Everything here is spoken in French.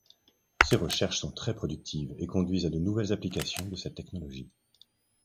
Ces recherches sont très productives et conduisent à de nouvelles applications de cette technologie.